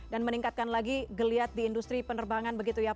dan meningkatkan lagi geliat di industri penerbangan begitu ya